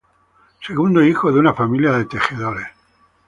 Segundo hijo de una familia de tejedores.